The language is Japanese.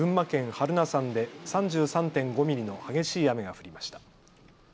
榛名山で３３．５ミリの激しい雨が降りました。